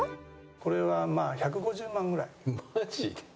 これはまあ１５０万ぐらい。